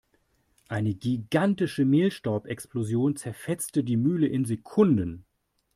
Eine gigantische Mehlstaubexplosion zerfetzte die Mühle in Sekunden.